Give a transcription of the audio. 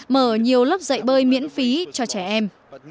mở nhiều lớp dạy bơi miễn phí cho trẻ em